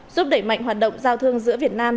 giúp đẩy mạnh hoạt động giao thương giữa việt nam